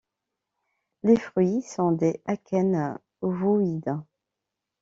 Les fruits sont des akènes ovoïdes.